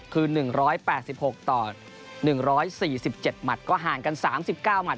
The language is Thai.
คือ๑๘๖ต่อ๑๔๗หมัดก็ห่างกัน๓๙หัด